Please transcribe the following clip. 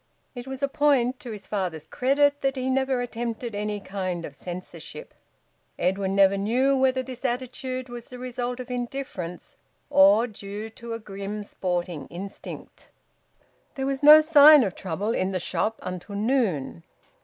It was a point to his father's credit that he never attempted any kind of censorship. Edwin never knew whether this attitude was the result of indifference or due to a grim sporting instinct. There was no sign of trouble in the shop until noon.